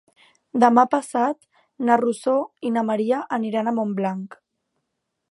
Demà passat na Rosó i na Maria aniran a Montblanc.